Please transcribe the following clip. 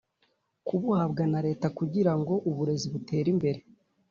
kubuhabwa na Leta kugira ngo uburezi butere imbere